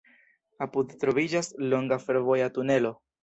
Apude troviĝas longa fervoja tunelo.